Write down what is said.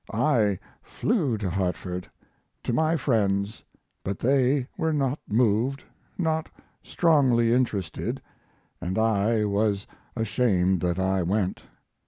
I flew to Hartford to my friends but they were not moved, not strongly interested, & I was ashamed that I went.